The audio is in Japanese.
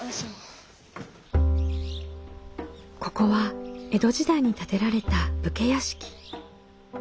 ここは江戸時代に建てられた武家屋敷。